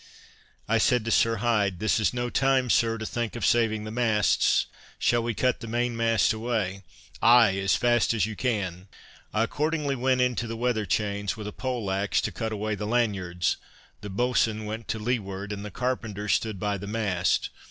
I said to Sir Hyde: "This is no time, Sir, to think of saving the masts, shall we cut the mainmast away?" "Ay! as fast as you can." I accordingly went into the weather chains with a pole axe, to cut away the lanyards; the boatswain went to leeward, and the carpenters stood by the mast.